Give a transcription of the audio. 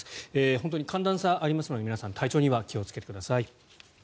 本当に寒暖差ありますので皆さん、体調には気をつけてください。